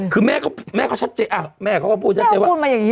คือแม่ก็แม่เขาชัดเจอ่าแม่เขาก็พูดชัดเจว่าแม่ก็พูดมาอย่างงี้